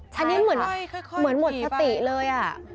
ใช่ค่อยเหมือนหมดปฏิเลย